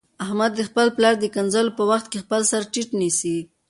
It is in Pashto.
احمد د خپل پلار د کنځلو په وخت کې خپل سرټیټ نیسي.